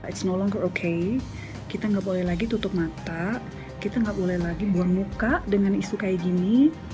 it's no longer okay kita gak boleh lagi tutup mata kita gak boleh lagi buang muka dengan isu kayak gini